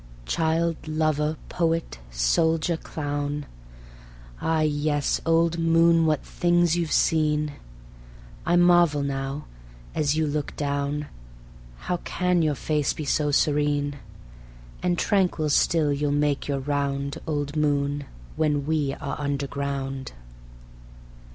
Child, lover, poet, soldier, clown, Ah yes, old Moon, what things you've seen! I marvel now, as you look down, How can your face be so serene? And tranquil still you'll make your round, Old Moon, when we are underground.